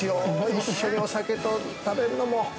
一緒にお酒と食べるのも。